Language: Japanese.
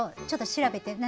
ちょっと調べて。